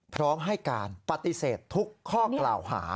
พร้อมให้การปฏิเสธทุกข้อกล่าวหา